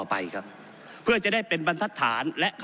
ก็ได้มีการอภิปรายในภาคของท่านประธานที่กรกครับ